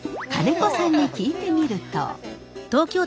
金子さんに聞いてみると。